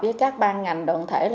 với các ban ngành đoạn thể